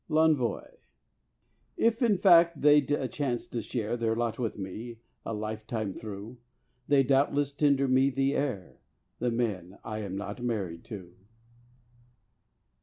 L'ENVOI In fact, if they'd a chance to share Their lot with me, a lifetime through, They'd doubtless tender me the air The men I am not married to.